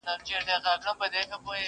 په کښتیو په جالو کي سپرېدلې.!